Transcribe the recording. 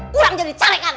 kurang jadi carekan